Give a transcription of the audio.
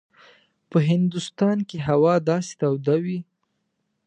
په هندوستان کې هوا داسې توده وي.